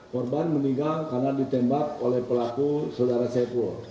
korban meninggal karena ditembak oleh pelaku saudara saiful